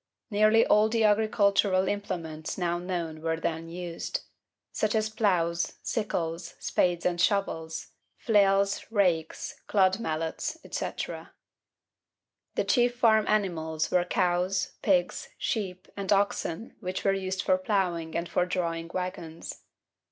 Nearly all the agricultural implements now known were then used: such as ploughs, sickles, spades and shovels, flails, rakes, clod mallets, etc. The chief farm animals were cows, pigs, sheep; and oxen, which were used for ploughing and for drawing waggons.